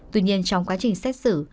tuy nhiên trong quá trình xét xử